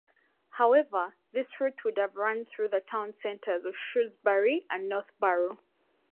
However, this route would have run through the town centers of Shrewsbury and Northborough.